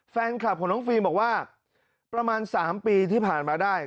แฟนคลับของน้องฟิล์มบอกว่าประมาณ๓ปีที่ผ่านมาได้